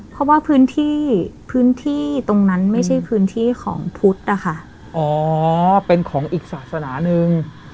เพราะว่าพื้นที่พื้นที่ตรงนั้นไม่ใช่พื้นที่ของพุทธนะคะอ๋อเป็นของอีกศาสนาหนึ่ง